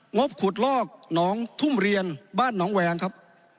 งบขุดลอกหนองทุ่มเรียนบ้านหนองแวงครับ